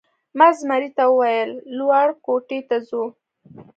ما زمري ته وویل: لوړ کوټې ته ځو؟